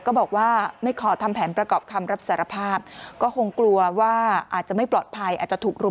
ก็บอกว่าไม่ขอทำแผนประกอบคำรับสารภาพก็คงกลัวว่าอาจจะไม่ปลอดภัยอาจจะถูกรุม